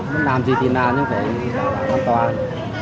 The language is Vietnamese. nói làm gì thì làm nhưng phải đảm bảo an toàn